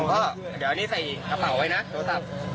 น้องพ่อเดี๋ยวเอาในใส่กระเป๋าที่จะปีน